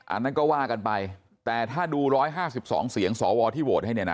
อันนั้นก็ว่ากันไปแต่ถ้าดู๑๕๒เสียงสวที่โหวตให้เนี่ยนะ